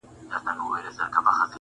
شپږ اووه شپې په ټول ښار کي وه جشنونه-